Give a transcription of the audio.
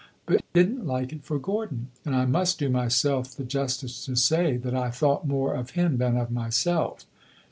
But did n't like it for Gordon; and I must do myself the justice to say that I thought more of him than of myself."